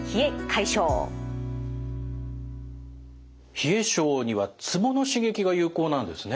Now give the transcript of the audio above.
冷え症にはツボの刺激が有効なんですね。